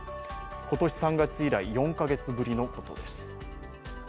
今年３月以来４カ月ぶりのことです。